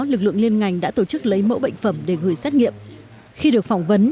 lực lượng liên ngành đã tổ chức lấy mẫu bệnh phẩm để gửi xét nghiệm khi được phỏng vấn